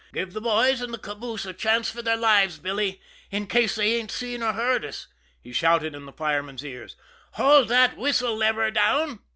"Give the boys in the caboose a chance for their lives, Billy, in case they ain't seen or heard us," he shouted in his fireman's ear. "Hold that whistle lever down."